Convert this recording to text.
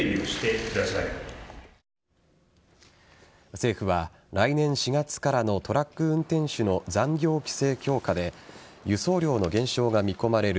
政府は来年４月からのトラック運転手の残業規制強化で輸送量の減少が見込まれる